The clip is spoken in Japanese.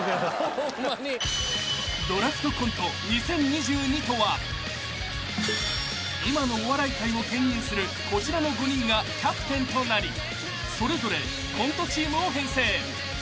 ［『ドラフトコント２０２２』とは］［今のお笑い界をけん引するこちらの５人がキャプテンとなりそれぞれコントチームを編成］